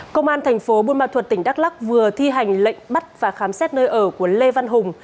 công an thành phố buôn ma thuật tỉnh đắk lắc vừa thi hành lệnh bắt và khám xét nơi ở của lê văn hùng